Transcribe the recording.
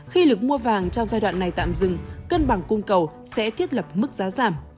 khi lực mua vàng trong giai đoạn này tạm dừng cân bằng cung cầu sẽ thiết lập mức giá giảm